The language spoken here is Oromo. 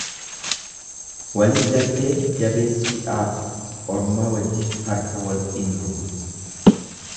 Walii galtee jabeessuudhaaf ormaa wajjin harka wal in rukutu.